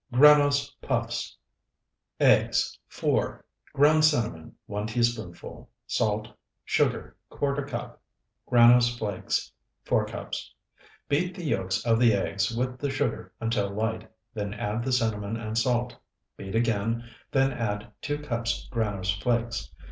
GRANOSE PUFFS Eggs, 4. Ground cinnamon, 1 teaspoonful. Salt. Sugar, ¼ cup. Granose flakes, 4 cups. Beat the yolks of the eggs with the sugar until light, then add the cinnamon and salt. Beat again, then add two cups granose flakes.